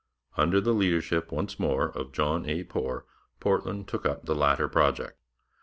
Under the leadership once more of John A. Poor, Portland took up the latter project.